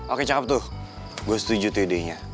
oke cakep tuh gue setuju tuh idenya